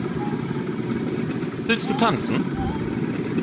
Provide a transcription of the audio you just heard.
Willst du tanzen?